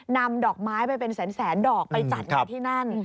นำดอกไม้ไปเป็นแสนดอกไปจัดงานที่นั่น